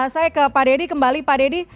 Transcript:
saya ke pak deddy kembali pak deddy